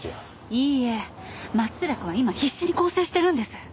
いいえ松寺君は今必死に更生してるんです。